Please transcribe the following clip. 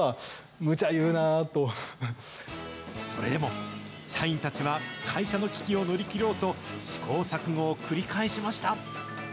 それでも、社員たちは会社の危機を乗り切ろうと、試行錯誤を繰り返しました。